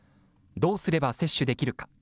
どうすれば接種できるか。